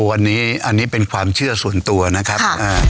วันนี้อันนี้เป็นความเชื่อส่วนตัวนะครับ